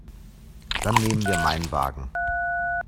Dann nehmen wir meinen Wagen.